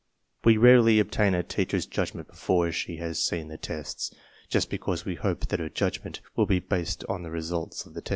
We rarely obtain a teacher's judgment before she has seen the tests, just because we hope that her judgment will be based on the results of the test.